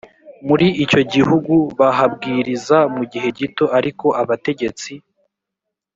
muri icyo gihugu bahabwiriza mu gihe gito ariko abategetsi